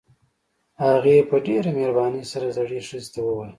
هغې په ډېره مهربانۍ سره زړې ښځې ته وويل.